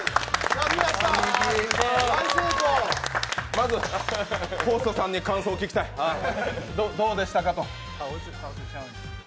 まずホーストさんに感想を聞きたい、どうでしたか？と。